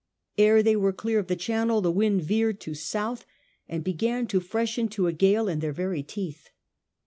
Ere they were clear of the Channel the wind veered to south, and began to freshen to a gale in their very teeth.